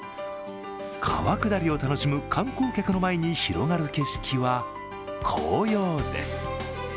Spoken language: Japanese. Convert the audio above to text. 川下りを楽しむ観光客の前に広がる景色は紅葉です。